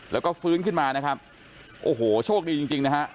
แล้วก็ฟื้นขึ้นมานะครับโอ้โหโชคดีจริงจริงนะฮะ